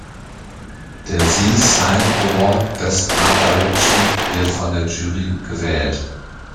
Der Zee Cine Award Best Art Direction wird von der Jury gewählt.